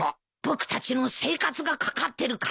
僕たちも生活が懸かってるからね。